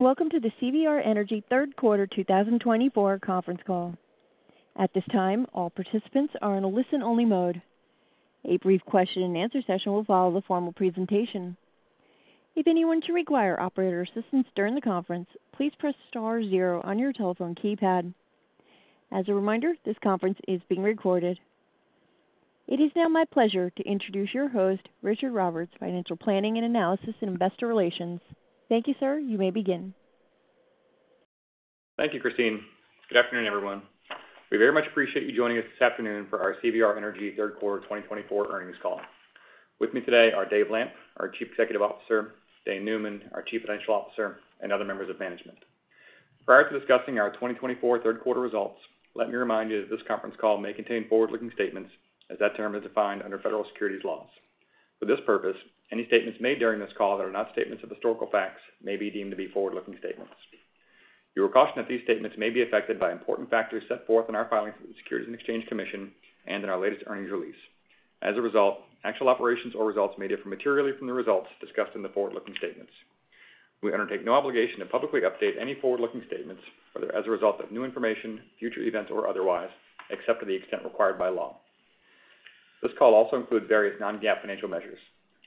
Welcome to the CVR Energy Q3 2024 conference call. At this time, all participants are in a listen-only mode. A brief question-and-answer session will follow the formal presentation. If anyone should require operator assistance during the conference, please press star zero on your telephone keypad. As a reminder, this conference is being recorded. It is now my pleasure to introduce your host, Richard Roberts, Financial Planning and Analysis and Investor Relations. Thank you, sir. You may begin. Thank you, Christine. Good afternoon, everyone. We very much appreciate you joining us this afternoon for our CVR Energy Q3 2024 earnings call. With me today are Dave Lamp, our Chief Executive Officer, Dane Neumann, our Chief Financial Officer, and other members of management. Prior to discussing our 2024 Q3 results, let me remind you that this conference call may contain forward-looking statements, as that term is defined under federal securities laws. For this purpose, any statements made during this call that are not statements of historical facts may be deemed to be forward-looking statements. You are cautioned that these statements may be affected by important factors set forth in our filings with the Securities and Exchange Commission and in our latest earnings release. As a result, actual operations or results may differ materially from the results discussed in the forward-looking statements. We undertake no obligation to publicly update any forward-looking statements whether as a result of new information, future events, or otherwise, except to the extent required by law. This call also includes various non-GAAP financial measures.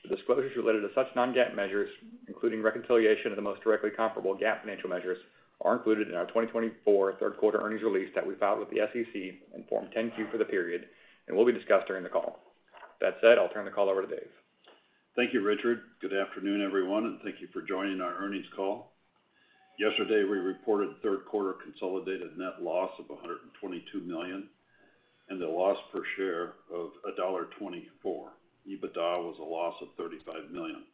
The disclosures related to such non-GAAP measures, including reconciliation of the most directly comparable GAAP financial measures, are included in our 2024 Q3 earnings release that we filed with the SEC in Form 10-Q for the period and will be discussed during the call. That said, I'll turn the call over to Dave. Thank you, Richard. Good afternoon, everyone, and thank you for joining our earnings call. Yesterday, we reported Q3 consolidated net loss of $122 million and a loss per share of $1.24. EBITDA was a loss of $35 million.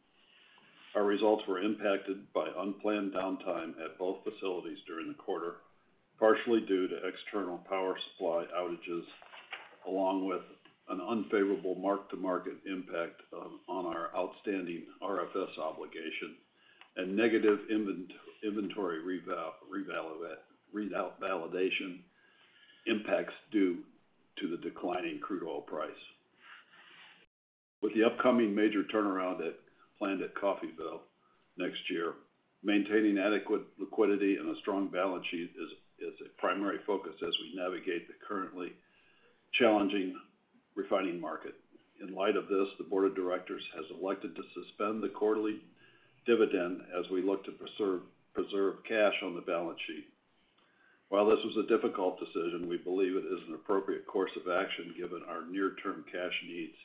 Our results were impacted by unplanned downtime at both facilities during the quarter, partially due to external power supply outages, along with an unfavorable mark-to-market impact on our outstanding RFS obligation and negative inventory revaluation impacts due to the declining crude oil price. With the upcoming major turnaround planned at Coffeyville next year, maintaining adequate liquidity and a strong balance sheet is a primary focus as we navigate the currently challenging refining market. In light of this, the Board of Directors has elected to suspend the quarterly dividend as we look to preserve cash on the balance sheet. While this was a difficult decision, we believe it is an appropriate course of action given our near-term cash needs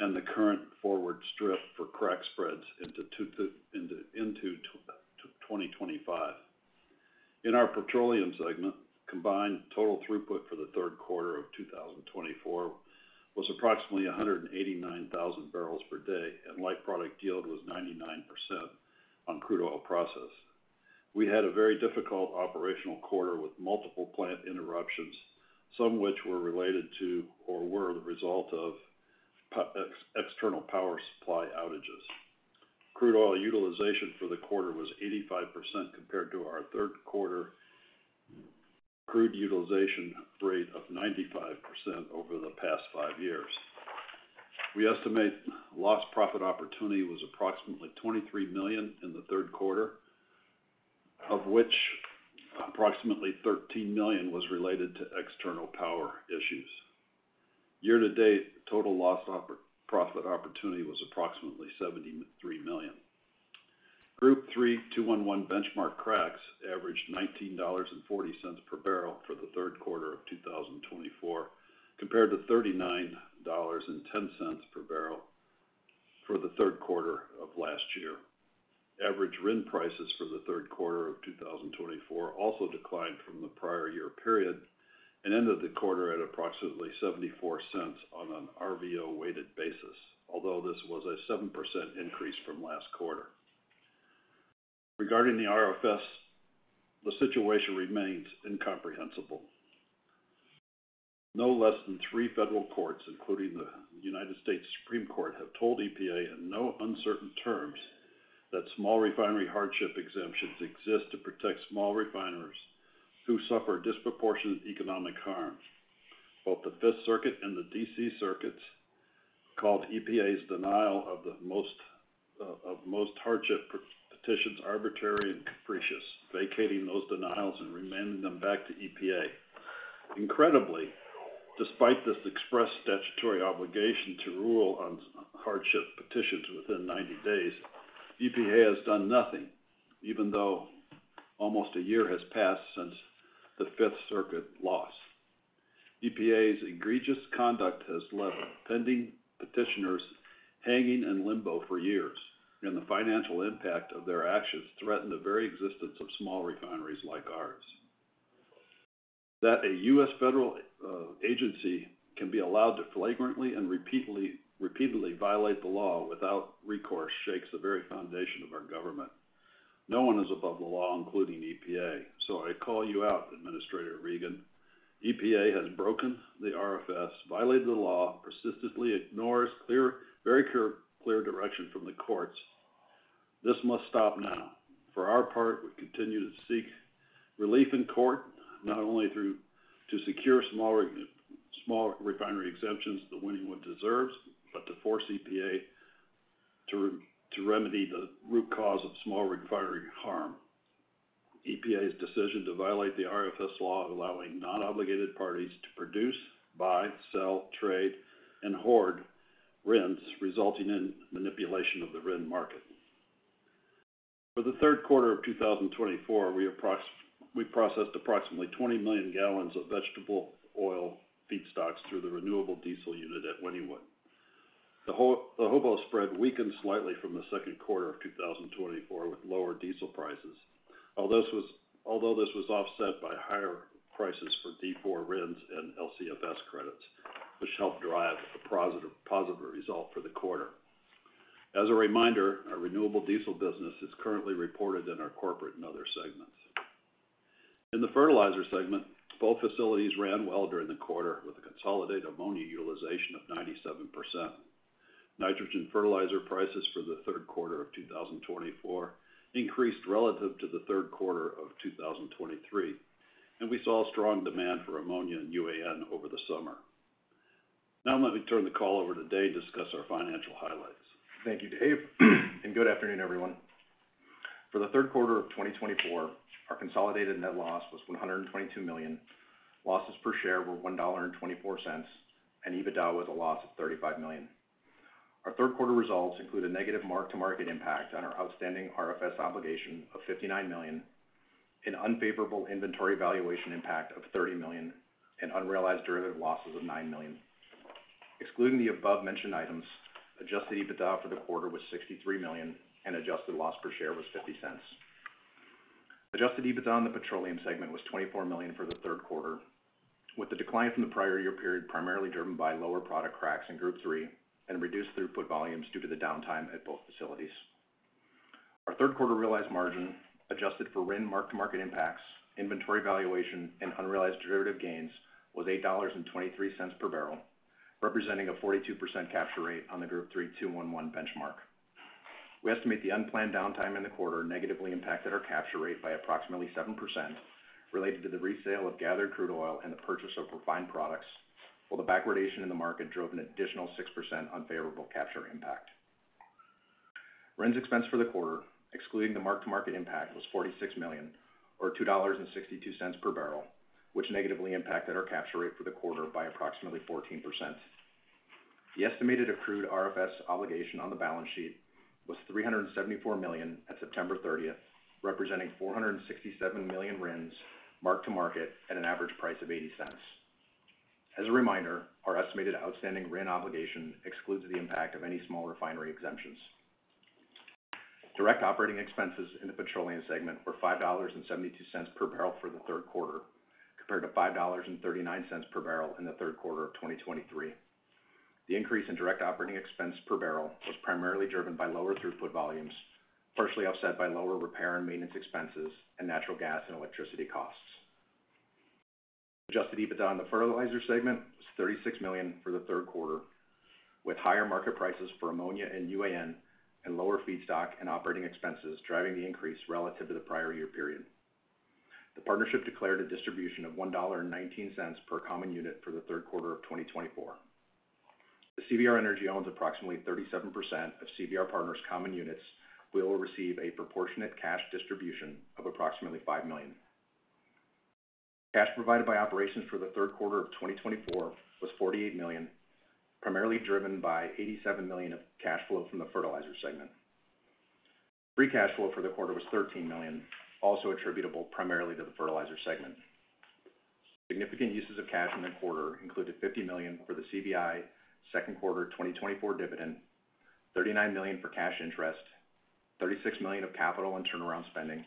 and the current forward strip for crack spreads into 2025. In our petroleum segment, combined total throughput for the Q3 of 2024 was approximately 189,000 barrels per day, and light product yield was 99% on crude oil process. We had a very difficult operational quarter with multiple plant interruptions, some of which were related to or were the result of external power supply outages. Crude oil utilization for the quarter was 85% compared to our Q3 crude utilization rate of 95% over the past five years. We estimate lost profit opportunity was approximately $23 million in the Q3, of which approximately $13 million was related to external power issues. Year-to-date total lost profit opportunity was approximately $73 million. Group 3 2-1-1 benchmark cracks averaged $19.40 per barrel for the Q3 of 2024, compared to $39.10 per barrel for the Q3 of last year. Average RIN prices for the Q3 of 2024 also declined from the prior year period and ended the quarter at approximately $0.74 on an RVO-weighted basis, although this was a 7% increase from last quarter. Regarding the RFS, the situation remains incomprehensible. No less than three federal courts, including the United States Supreme Court, have told EPA in no uncertain terms that small refinery hardship exemptions exist to protect small refiners who suffer disproportionate economic harm. Both the Fifth Circuit and the DC Circuit called EPA's denial of most hardship petitions arbitrary and capricious, vacating those denials and remanding them back to EPA. Incredibly, despite this express statutory obligation to rule on hardship petitions within 90 days, EPA has done nothing, even though almost a year has passed since the Fifth Circuit loss. EPA's egregious conduct has left pending petitioners hanging in limbo for years, and the financial impact of their actions threatened the very existence of small refineries like ours. That a U.S. federal agency can be allowed to flagrantly and repeatedly violate the law without recourse shakes the very foundation of our government. No one is above the law, including EPA. So I call you out, Administrator Regan. EPA has broken the RFS, violated the law, persistently ignores very clear direction from the courts. This must stop now. For our part, we continue to seek relief in court, not only to secure small refinery exemptions the Wynnewood one deserves, but to force EPA to remedy the root cause of small refinery harm. EPA's decision to violate the RFS law allowing non-obligated parties to produce, buy, sell, trade, and hoard RINs resulting in manipulation of the RIN market. For the Q3 of 2024, we processed approximately 20 million gallons of vegetable oil feedstocks through the renewable diesel unit at Wynnewood. The HOBO spread weakened slightly from the Q2 of 2024 with lower diesel prices, although this was offset by higher prices for D4 RINs and LCFS credits, which helped drive a positive result for the quarter. As a reminder, our renewable diesel business is currently reported in our corporate and other segments. In the fertilizer segment, both facilities ran well during the quarter with a consolidated ammonia utilization of 97%. Nitrogen fertilizer prices for the Q3 of 2024 increased relative to the Q3 of 2023, and we saw strong demand for ammonia and UAN over the summer. Now let me turn the call over to Dane to discuss our financial highlights. Thank you, Dave, and good afternoon, everyone. For the Q3 of 2024, our consolidated net loss was $122 million. Losses per share were $1.24, and EBITDA was a loss of $35 million. Our Q3 results include a negative mark-to-market impact on our outstanding RFS obligation of $59 million, an unfavorable inventory valuation impact of $30 million, and unrealized derivative losses of $9 million. Excluding the above-mentioned items, adjusted EBITDA for the quarter was $63 million, and adjusted loss per share was $0.50. Adjusted EBITDA in the petroleum segment was $24 million for the Q3, with the decline from the prior year period primarily driven by lower product cracks in Group 3 and reduced throughput volumes due to the downtime at both facilities. Our Q3 realized margin, adjusted for RIN mark-to-market impacts, inventory valuation, and unrealized derivative gains was $8.23 per barrel, representing a 42% capture rate on the Group 3 2-1-1 benchmark. We estimate the unplanned downtime in the quarter negatively impacted our capture rate by approximately 7% related to the resale of gathered crude oil and the purchase of refined products, while the backwardation in the market drove an additional 6% unfavorable capture impact. RINs expense for the quarter, excluding the mark-to-market impact, was $46 million, or $2.62 per barrel, which negatively impacted our capture rate for the quarter by approximately 14%. The estimated accrued RFS obligation on the balance sheet was $374 million at September 30th, representing $467 million RINs mark-to-market at an average price of $0.80. As a reminder, our estimated outstanding RIN obligation excludes the impact of any small refinery exemptions. Direct operating expenses in the petroleum segment were $5.72 per barrel for the Q3, compared to $5.39 per barrel in the Q3 of 2023. The increase in direct operating expense per barrel was primarily driven by lower throughput volumes, partially offset by lower repair and maintenance expenses and natural gas and electricity costs. Adjusted EBITDA in the fertilizer segment was $36 million for the Q3, with higher market prices for ammonia and UAN and lower feedstock and operating expenses driving the increase relative to the prior year period. The partnership declared a distribution of $1.19 per common unit for the Q3 of 2024. CVR Energy owns approximately 37% of CVR Partners' common units. We will receive a proportionate cash distribution of approximately $5 million. Cash provided by operations for the Q3 of 2024 was $48 million, primarily driven by $87 million of cash flow from the fertilizer segment. Free cash flow for the quarter was $13 million, also attributable primarily to the fertilizer segment. Significant uses of cash in the quarter included $50 million for the CVI Q2 2024 dividend, $39 million for cash interest, $36 million of capital and turnaround spending,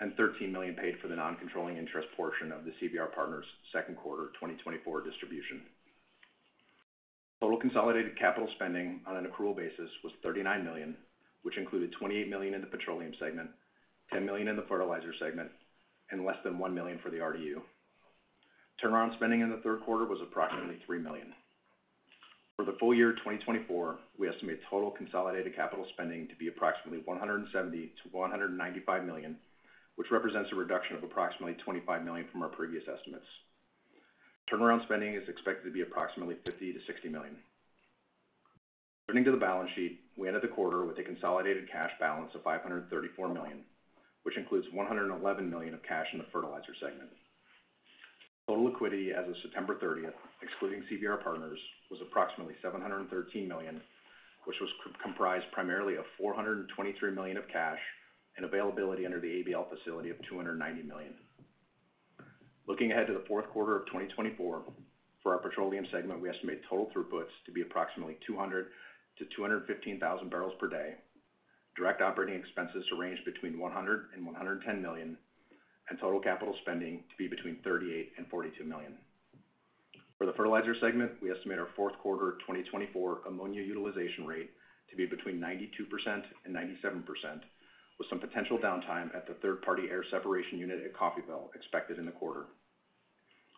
and $13 million paid for the non-controlling interest portion of the CVR Partners' Q2 2024 distribution. Total consolidated capital spending on an accrual basis was $39 million, which included $28 million in the petroleum segment, $10 million in the fertilizer segment, and less than $1 million for the RDU. Turnaround spending in the Q3 was approximately $3 million. For the full year 2024, we estimate total consolidated capital spending to be approximately $170 million-$195 million, which represents a reduction of approximately $25 million from our previous estimates. Turnaround spending is expected to be approximately $50 million-$60 million. Turning to the balance sheet, we ended the quarter with a consolidated cash balance of $534 million, which includes $111 million of cash in the fertilizer segment. Total liquidity as of September 30th, excluding CVR Partners, was approximately $713 million, which comprised primarily of $423 million of cash and availability under the ABL facility of $290 million. Looking ahead to the Q4 of 2024, for our petroleum segment, we estimate total throughputs to be approximately 200,000-215,000 per day. Direct operating expenses to range between $100 million-$110 million and total capital spending to be between $38 million-$42 million. For the fertilizer segment, we estimate our Q4 2024 ammonia utilization rate to be between 92% and 97%, with some potential downtime at the third-party air separation unit at Coffeyville expected in the quarter.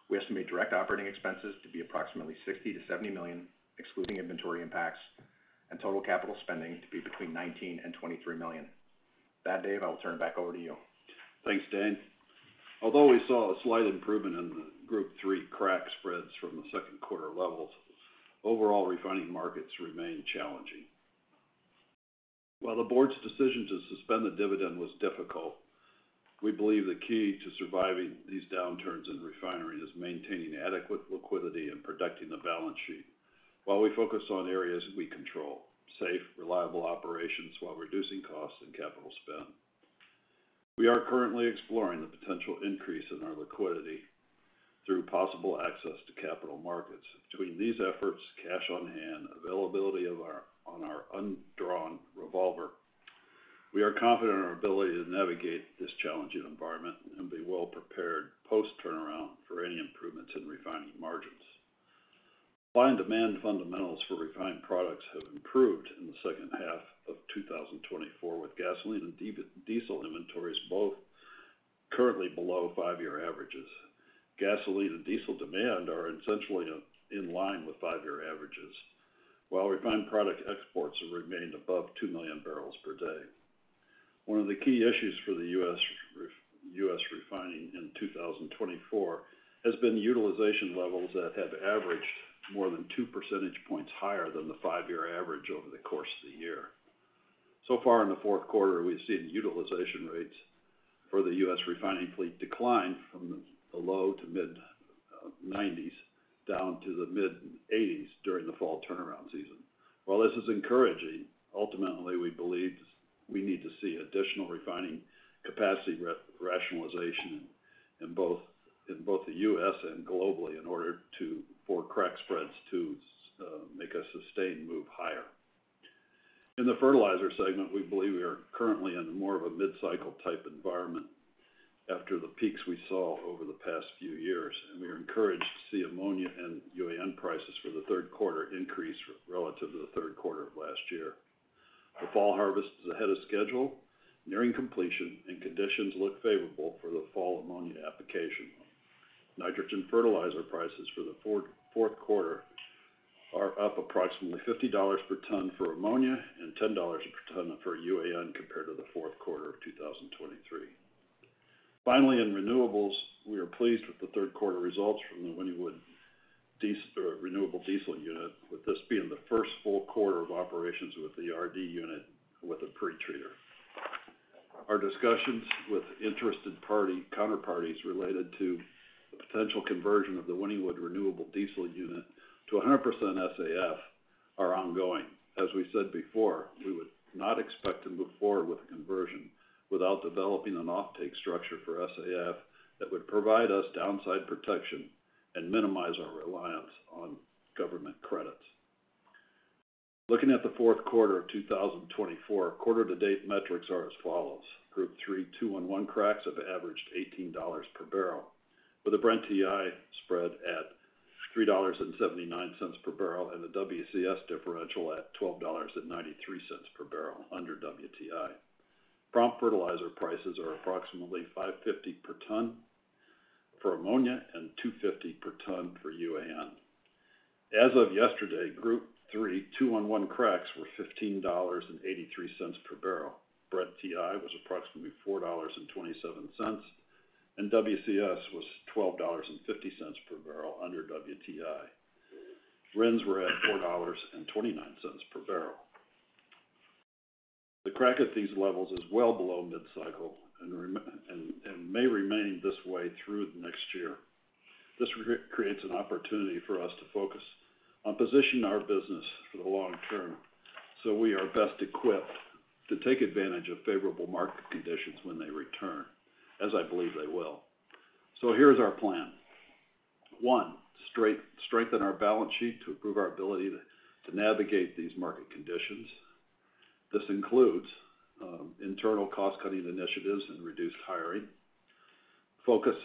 We estimate direct operating expenses to be approximately $60 million-$70 million, excluding inventory impacts, and total capital spending to be between $19 and $23 million. That, Dave, I will turn it back over to you. Thanks, Dane. Although we saw a slight improvement in the Group 3 crack spreads from the Q2 levels, overall refining markets remain challenging. While the board's decision to suspend the dividend was difficult, we believe the key to surviving these downturns in refining is maintaining adequate liquidity and protecting the balance sheet while we focus on areas we control: safe, reliable operations while reducing costs and capital spend. We are currently exploring the potential increase in our liquidity through possible access to capital markets. Between these efforts, cash on hand, availability of our undrawn revolver, we are confident in our ability to navigate this challenging environment and be well-prepared post-turnaround for any improvements in refining margins. Supply and demand fundamentals for refined products have improved in the second half of 2024, with gasoline and diesel inventories both currently below five-year averages. Gasoline and diesel demand are essentially in line with five-year averages, while refined product exports have remained above $2 million per day. One of the key issues for the U.S. refining in 2024 has been utilization levels that have averaged more than two percentage points higher than the five-year average over the course of the year. So far, in the Q4, we've seen utilization rates for the U.S. refining fleet decline from the low to mid-90s down to the mid-80s during the fall turnaround season. While this is encouraging, ultimately, we believe we need to see additional refining capacity rationalization in both the U.S. and globally in order for crack spreads to make a sustained move higher. In the fertilizer segment, we believe we are currently in more of a mid-cycle type environment after the peaks we saw over the past few years, and we are encouraged to see ammonia and UAN prices for the Q3 increase relative to the Q3 of last year. The fall harvest is ahead of schedule, nearing completion, and conditions look favorable for the fall ammonia application. Nitrogen fertilizer prices for the Q4 are up approximately $50 per ton for ammonia and $10 per ton for UAN compared to the Q4 of 2023. Finally, in renewables, we are pleased with the Q3 results from the Wynnewood Renewable Diesel Unit, with this being the first full quarter of operations with the RD unit with a pre-treater. Our discussions with interested counterparties related to the potential conversion of the Wynnewood Renewable Diesel Unit to 100% SAF are ongoing. As we said before, we would not expect to move forward with a conversion without developing an offtake structure for SAF that would provide us downside protection and minimize our reliance on government credits. Looking at the Q4 of 2024, quarter-to-date metrics are as follows. Group 3 2-1-1 cracks have averaged $18 per barrel, with a Brent-WTI spread at $3.79 per barrel and a WCS differential at $12.93 per barrel under WTI. Prompt fertilizer prices are approximately $5.50 per ton for ammonia and $2.50 per ton for UAN. As of yesterday, Group 3 2-1-1 cracks were $15.83 per barrel. Brent-WTI was approximately $4.27, and WCS was $12.50 per barrel under WTI. RINs were at $4.29 per barrel. The crack at these levels is well below mid-cycle and may remain this way through the next year. This creates an opportunity for us to focus on positioning our business for the long term so we are best equipped to take advantage of favorable market conditions when they return, as I believe they will. So here's our plan. One, strengthen our balance sheet to improve our ability to navigate these market conditions. This includes internal cost-cutting initiatives and reduced hiring. Focus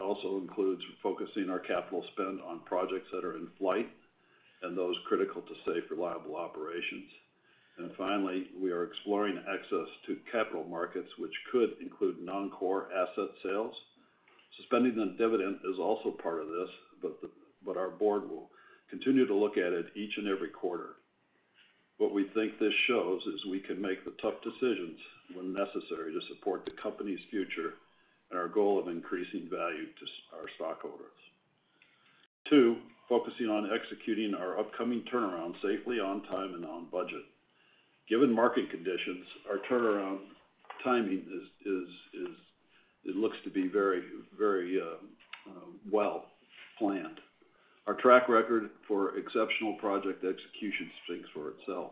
also includes focusing our capital spend on projects that are in flight and those critical to safe, reliable operations. And finally, we are exploring access to capital markets, which could include non-core asset sales. Suspending the dividend is also part of this, but our board will continue to look at it each and every quarter. What we think this shows is we can make the tough decisions when necessary to support the company's future and our goal of increasing value to our stockholders. Two, focusing on executing our upcoming turnaround safely, on time, and on budget. Given market conditions, our turnaround timing looks to be very, very well planned. Our track record for exceptional project execution speaks for itself.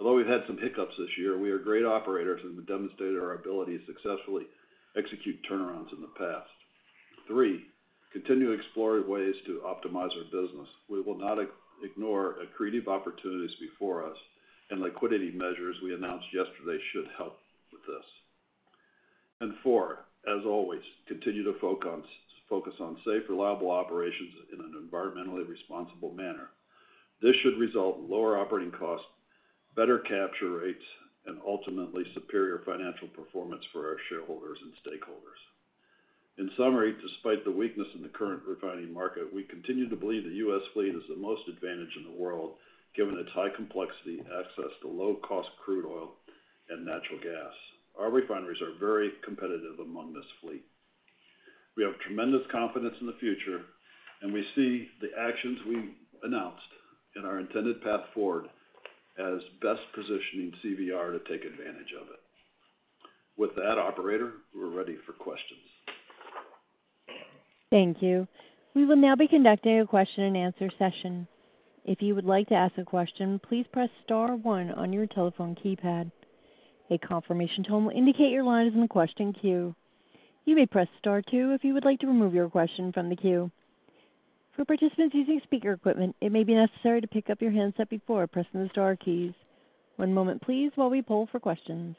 Although we've had some hiccups this year, we are great operators and have demonstrated our ability to successfully execute turnarounds in the past. Three, continue to explore ways to optimize our business. We will not ignore accretive opportunities before us, and liquidity measures we announced yesterday should help with this. And four, as always, continue to focus on safe, reliable operations in an environmentally responsible manner. This should result in lower operating costs, better capture rates, and ultimately superior financial performance for our shareholders and stakeholders. In summary, despite the weakness in the current refining market, we continue to believe the U.S. Fleet is the most advantaged in the world given its high complexity, access to low-cost crude oil and natural gas. Our refineries are very competitive among this fleet. We have tremendous confidence in the future, and we see the actions we announced in our intended path forward as best positioning CVR to take advantage of it. With that, operator, we're ready for questions. Thank you. We will now be conducting a question-and-answer session. If you would like to ask a question, please press Star 1 on your telephone keypad. A confirmation tone will indicate your line is in the question queue. You may press Star 2 if you would like to remove your question from the queue. For participants using speaker equipment, it may be necessary to pick up your handset before pressing the Star keys. One moment, please, while we pull for questions.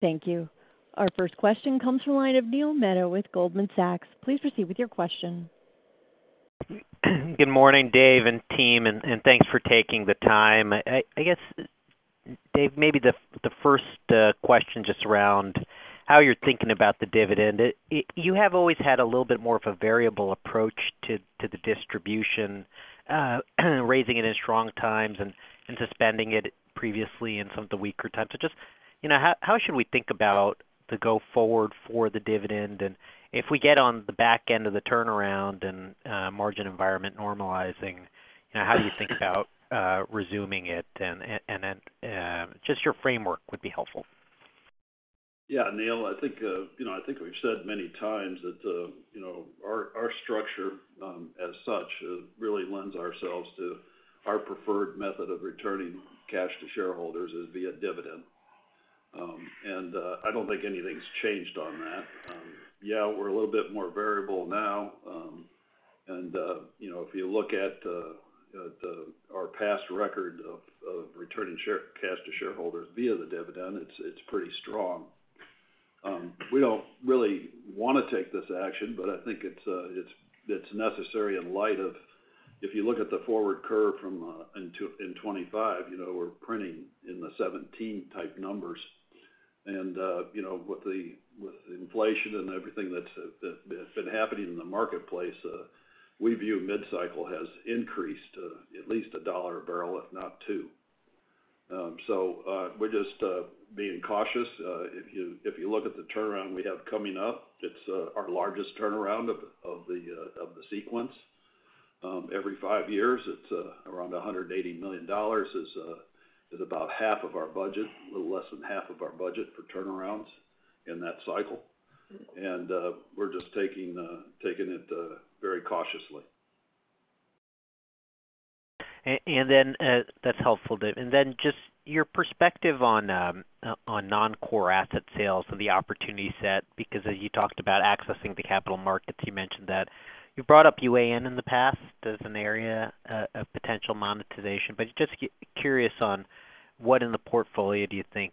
Thank you. Our first question comes from the line of Neil Mehta with Goldman Sachs. Please proceed with your question. Good morning, Dave and team, and thanks for taking the time. I guess, Dave, maybe the first question just around how you're thinking about the dividend. You have always had a little bit more of a variable approach to the distribution, raising it in strong times and suspending it previously in some of the weaker times. So just how should we think about the go-forward for the dividend? And if we get on the back end of the turnaround and margin environment normalizing, how do you think about resuming it? And then just your framework would be helpful. Yeah, Neil, I think we've said many times that our structure as such really lends ourselves to our preferred method of returning cash to shareholders is via dividend. And I don't think anything's changed on that. Yeah, we're a little bit more variable now. And if you look at our past record of returning cash to shareholders via the dividend, it's pretty strong. We don't really want to take this action, but I think it's necessary in light of if you look at the forward curve in 2025, we're printing in the 2017 type numbers. And with the inflation and everything that's been happening in the marketplace, we view mid-cycle has increased at least a dollar a barrel, if not two. So we're just being cautious. If you look at the turnaround we have coming up, it's our largest turnaround of the sequence. Every five years, it's around $180 million. It's about half of our budget, a little less than half of our budget for turnarounds in that cycle, and we're just taking it very cautiously. And then that's helpful, Dave. And then just your perspective on non-core asset sales and the opportunity set, because as you talked about accessing the capital markets, you mentioned that you brought up UAN in the past as an area of potential monetization. But just curious on what in the portfolio do you think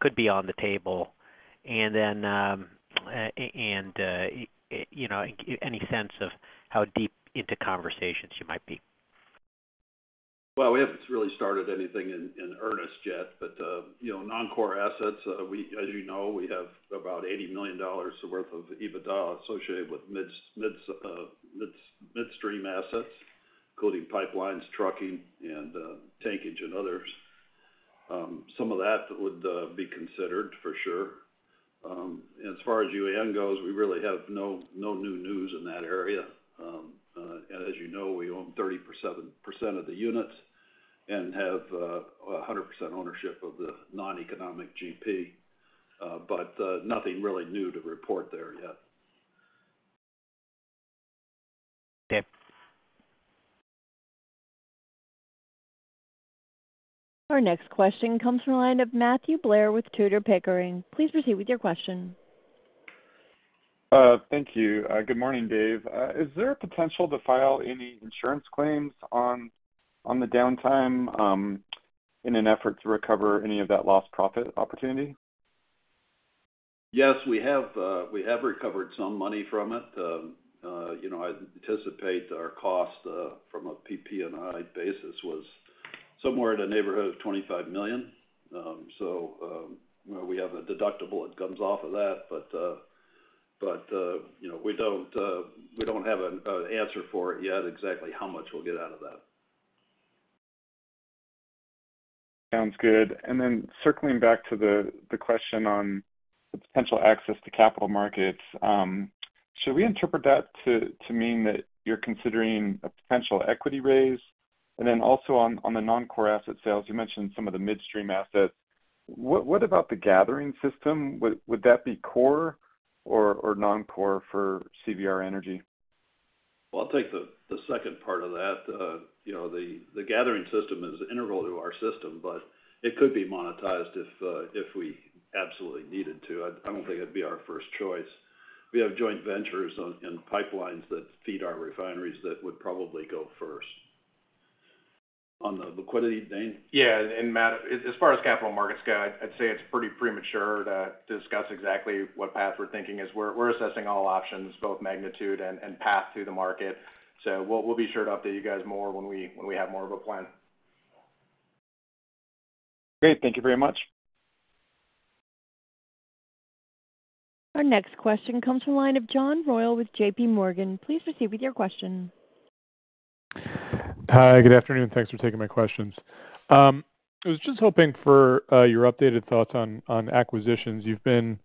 could be on the table? And then any sense of how deep into conversations you might be? We haven't really started anything in earnest yet, but non-core assets, as you know, we have about $80 million worth of EBITDA associated with midstream assets, including pipelines, trucking, and tankage, and others. Some of that would be considered for sure. As far as UAN goes, we really have no new news in that area. As you know, we own 37% of the units and have 100% ownership of the non-economic GP, but nothing really new to report there yet. Okay. Our next question comes from the line of Matthew Blair with Tudor Pickering. Please proceed with your question. Thank you. Good morning, Dave. Is there a potential to file any insurance claims on the downtime in an effort to recover any of that lost profit opportunity? Yes, we have recovered some money from it. I anticipate our cost from a PP&I basis was somewhere in the neighborhood of $25 million. So we have a deductible that comes off of that, but we don't have an answer for it yet, exactly how much we'll get out of that. Sounds good. And then circling back to the question on the potential access to capital markets, should we interpret that to mean that you're considering a potential equity raise? And then also on the non-core asset sales, you mentioned some of the midstream assets. What about the gathering system? Would that be core or non-core for CVR Energy? I'll take the second part of that. The gathering system is integral to our system, but it could be monetized if we absolutely needed to. I don't think it'd be our first choice. We have joint ventures and pipelines that feed our refineries that would probably go first. On the liquidity thing? Yeah. And Matt, as far as capital markets go, I'd say it's pretty premature to discuss exactly what path we're thinking is. We're assessing all options, both magnitude and path through the market. So we'll be sure to update you guys more when we have more of a plan. Great. Thank you very much. Our next question comes from the line of John Royall with JPMorgan. Please proceed with your question. Hi, good afternoon. Thanks for taking my questions. I was just hoping for your updated thoughts on acquisitions. You've been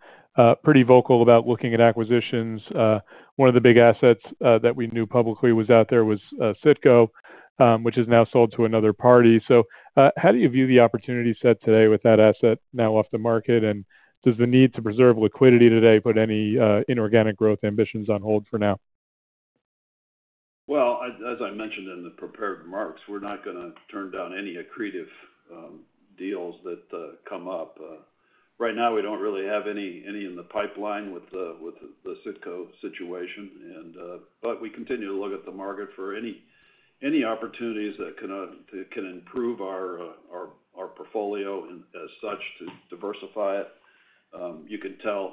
pretty vocal about looking at acquisitions. One of the big assets that we knew publicly was out there was CITGO, which is now sold to another party. So how do you view the opportunity set today with that asset now off the market? And does the need to preserve liquidity today put any inorganic growth ambitions on hold for now? As I mentioned in the prepared remarks, we're not going to turn down any accretive deals that come up. Right now, we don't really have any in the pipeline with the Citgo situation. We continue to look at the market for any opportunities that can improve our portfolio as such to diversify it. You can tell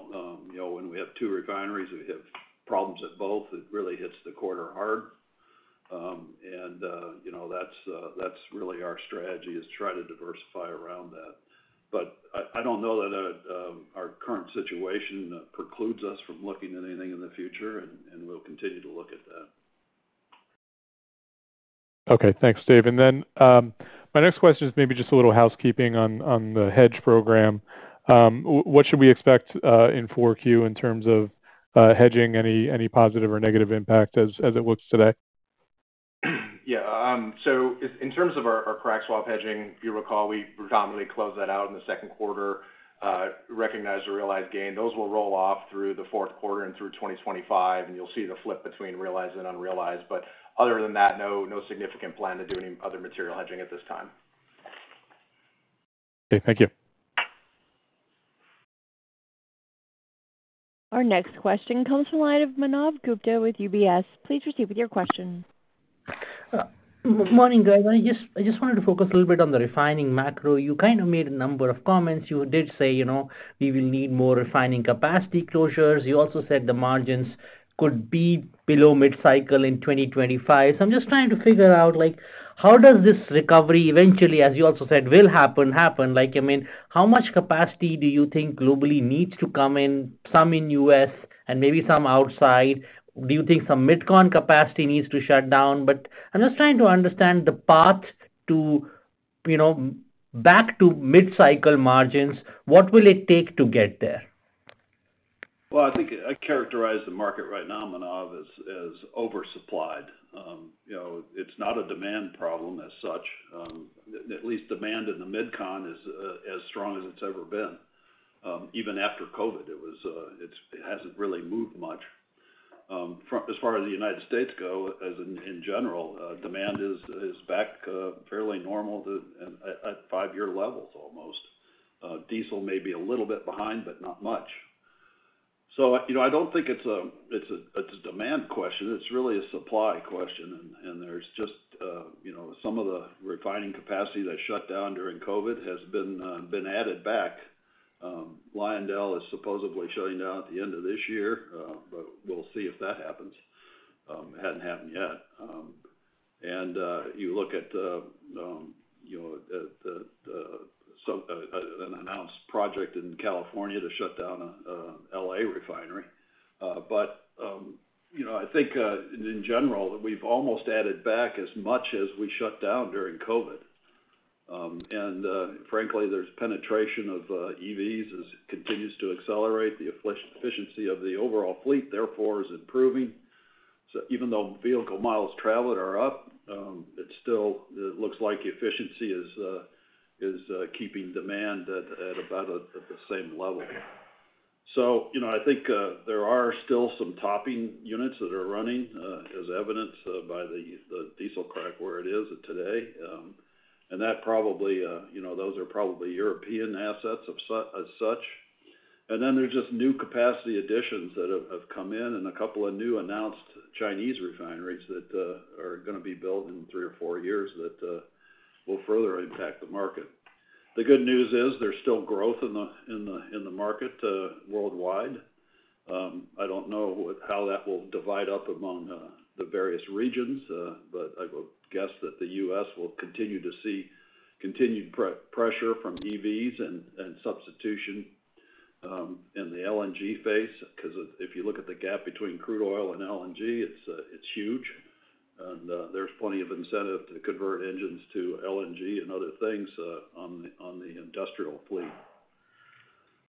when we have two refineries, we have problems at both. It really hits the quarter hard. That's really our strategy, is to try to diversify around that. I don't know that our current situation precludes us from looking at anything in the future, and we'll continue to look at that. Okay. Thanks, Dave. And then my next question is maybe just a little housekeeping on the hedge program. What should we expect in 4Q in terms of hedging? Any positive or negative impact as it looks today? Yeah. So in terms of our crack swap hedging, if you recall, we predominantly closed that out in the Q2, recognized a realized gain. Those will roll off through the Q4 and through 2025, and you'll see the flip between realized and unrealized. But other than that, no significant plan to do any other material hedging at this time. Okay. Thank you. Our next question comes from the line of Manav Gupta with UBS. Please proceed with your question. Morning, guys. I just wanted to focus a little bit on the refining macro. You kind of made a number of comments. You did say we will need more refining capacity closures. You also said the margins could be below mid-cycle in 2025. So I'm just trying to figure out how does this recovery eventually, as you also said, will happen. I mean, how much capacity do you think globally needs to come in, some in the U.S. and maybe some outside? Do you think some Mid-Con capacity needs to shut down? But I'm just trying to understand the path back to mid-cycle margins. What will it take to get there? I think I characterize the market right now, Manav, as oversupplied. It's not a demand problem as such. At least demand in the Mid-Con is as strong as it's ever been. Even after COVID, it hasn't really moved much. As far as the United States go, in general, demand is back fairly normal at five-year levels almost. Diesel may be a little bit behind, but not much. So I don't think it's a demand question. It's really a supply question. And there's just some of the refining capacity that shut down during COVID has been added back. LyondellBasell is supposedly shutting down at the end of this year, but we'll see if that happens. It hasn't happened yet. And you look at an announced project in California to shut down an LA refinery. But I think, in general, that we've almost added back as much as we shut down during COVID. And frankly, there's penetration of EVs that continues to accelerate. The efficiency of the overall fleet, therefore, is improving. So even though vehicle miles traveled are up, it still looks like efficiency is keeping demand at about the same level. So I think there are still some topping units that are running, as evidenced by the diesel crack where it is today. And those are probably European assets as such. And then there's just new capacity additions that have come in and a couple of new announced Chinese refineries that are going to be built in three or four years that will further impact the market. The good news is there's still growth in the market worldwide. I don't know how that will divide up among the various regions, but I would guess that the U.S. will continue to see continued pressure from EVs and substitution in the LNG phase, because if you look at the gap between crude oil and LNG, it's huge, and there's plenty of incentive to convert engines to LNG and other things on the industrial fleet,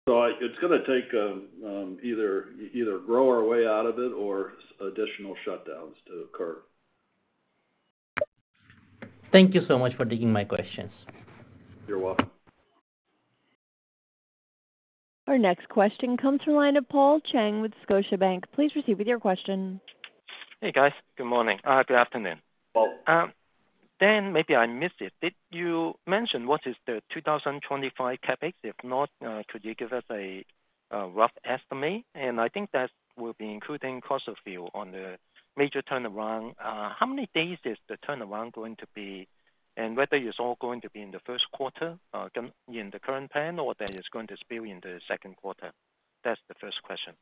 so it's going to take either grow our way out of it or additional shutdowns to occur. Thank you so much for taking my questions. You're welcome. Our next question comes from the line of Paul Cheng with Scotiabank. Please proceed with your question. Hey, guys. Good morning. Good afternoon. Well, Dan, maybe I missed it. Did you mention what is the 2025 CapEx? If not, could you give us a rough estimate? And I think that will be including cost of fuel on the major turnaround. How many days is the turnaround going to be? And whether it's all going to be in the Q1 in the current plan or that it's going to spill in the Q2? That's the first question.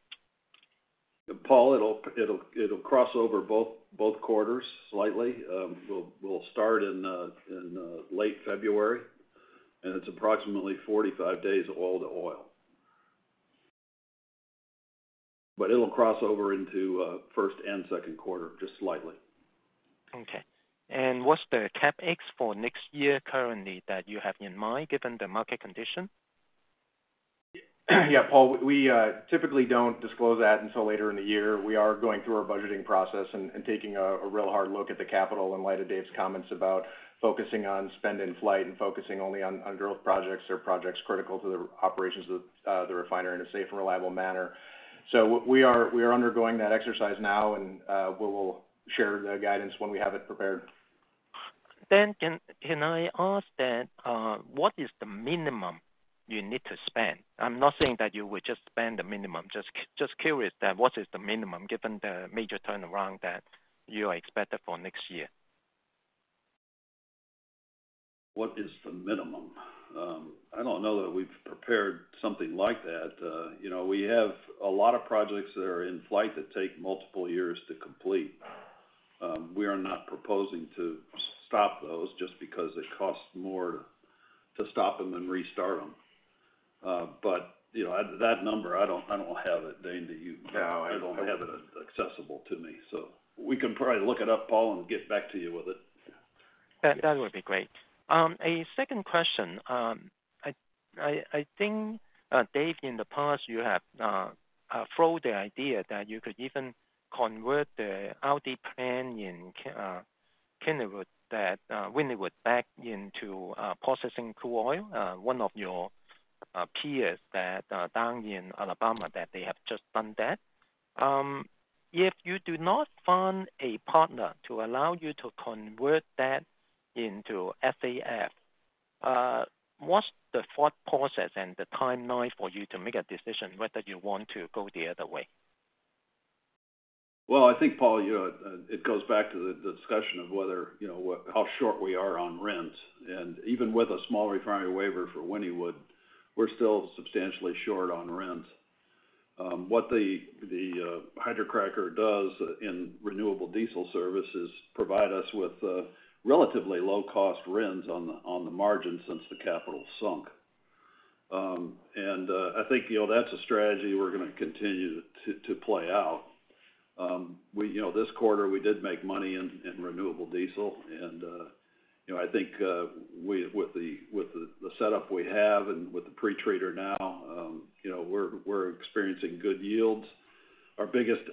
Paul, it'll cross over both quarters slightly. We'll start in late February, and it's approximately 45 days oil to oil. But it'll cross over into first and Q2 just slightly. Okay, and what's the CapEx for next year currently that you have in mind, given the market condition? Yeah, Paul, we typically don't disclose that until later in the year. We are going through our budgeting process and taking a real hard look at the capital in light of Dave's comments about focusing on spend in flight and focusing only on growth projects or projects critical to the operations of the refinery in a safe and reliable manner. So we are undergoing that exercise now, and we will share the guidance when we have it prepared. Dan, can I ask that? What is the minimum you need to spend? I'm not saying that you will just spend the minimum. Just curious that what is the minimum given the major turnaround that you are expected for next year? What is the minimum? I don't know that we've prepared something like that. We have a lot of projects that are in flight that take multiple years to complete. We are not proposing to stop those just because it costs more to stop them and restart them. But that number, I don't have it, Dane, that you have it accessible to me. So we can probably look it up, Paul, and get back to you with it. That would be great. A second question. I think, Dave, in the past, you have thrown the idea that you could even convert the Wynnewood plant back into processing crude oil. One of your peers down in Alabama, they have just done that. If you do not find a partner to allow you to convert that into SAF, what's the thought process and the timeline for you to make a decision whether you want to go the other way? I think, Paul, it goes back to the discussion of how short we are on RINs. And even with a small refinery waiver for Wynnewood, we're still substantially short on RINs. What the hydrocracker does in renewable diesel service is provide us with relatively low-cost RINs on the margin since the capital sunk. And I think that's a strategy we're going to continue to play out. This quarter, we did make money in renewable diesel. And I think with the setup we have and with the pre-treater now, we're experiencing good yields. Our biggest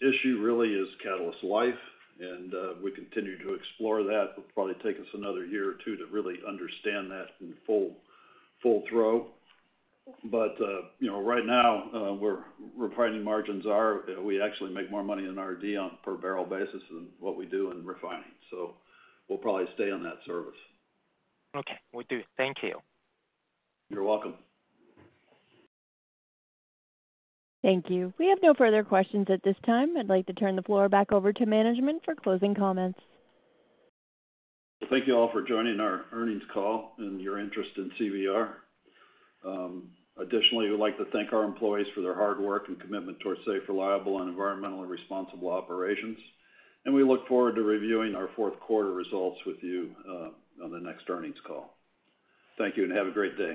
issue really is catalyst life. And we continue to explore that. It'll probably take us another year or two to really understand that in full flow. But right now, refining margins are, we actually make more money in RD on a per barrel basis than what we do in refining. We'll probably stay on that service. Okay. We do. Thank you. You're welcome. Thank you. We have no further questions at this time. I'd like to turn the floor back over to management for closing comments. Thank you all for joining our earnings call and your interest in CVR. Additionally, we'd like to thank our employees for their hard work and commitment toward safe, reliable, and environmentally responsible operations, and we look forward to reviewing our Q4 results with you on the next earnings call. Thank you and have a great day.